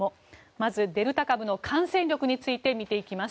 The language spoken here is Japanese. まずデルタ株の感染力について見ていきます。